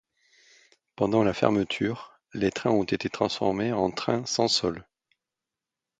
Pendant la fermeture, les trains ont été transformés en trains sans sol.